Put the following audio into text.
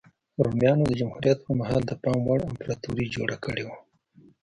رومیانو د جمهوریت پرمهال د پام وړ امپراتوري جوړه کړې وه